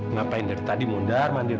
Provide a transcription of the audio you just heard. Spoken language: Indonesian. ngapain dari tadi mondar mandir